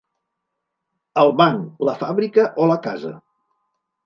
El banc, la fàbrica o la casa?